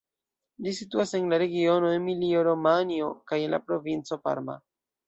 Ĝi situas en la regiono Emilio-Romanjo kaj en la provinco Parma.